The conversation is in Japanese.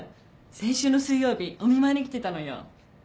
先週の水曜日お見舞いに来てたのよ。